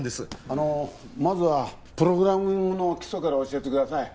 あのまずはプログラミングの基礎から教えてください